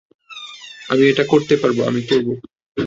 আমি এটা করতে পারবো, এবং আমি করবো।